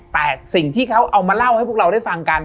แต่สิ่งที่เขาเอามาเล่าให้พวกเราได้ฟังกัน